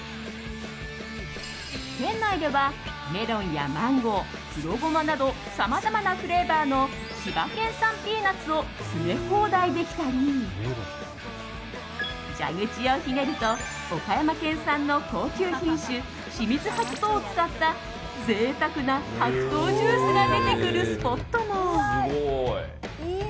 店内ではメロンやマンゴー黒ゴマなどさまざまなフレーバーの千葉県産ピーナツを詰め放題できたり蛇口をひねると岡山県産の高級品種清水白桃を使った贅沢な白桃ジュースが出てくるスポットも。